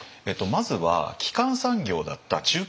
まずは基幹産業だった中継